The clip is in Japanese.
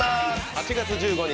８月１５日